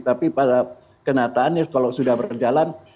tapi pada kenyataannya kalau sudah berjalan